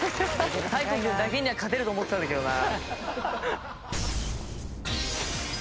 大光くんだけには勝てると思ってたんだけどな。